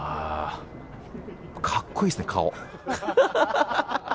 かっこいいですね、顔。